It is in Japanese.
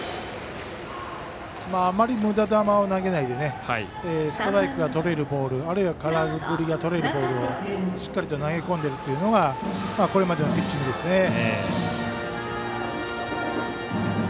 あまり無駄球を投げないでストライクがとれるボールあるいは空振りがとれるボールをしっかりと投げ込んでるというのがこれまでのピッチングですね。